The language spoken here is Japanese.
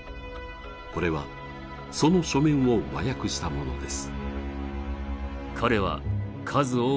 これはその書面を和訳したものです。